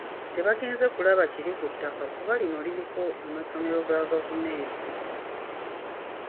Tebagenze kulaba kiri ku ttaka kuba lino liriko amasomero ga gavumenti.